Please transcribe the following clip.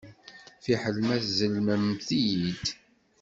Fiḥel ma tzellmemt-iyi-d.